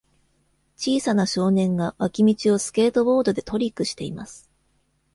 小さな少年が脇道をスケートボードでトリックしています。